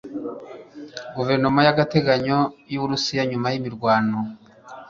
guverinoma y'agateganyo y'uburusiya nyuma yimirwano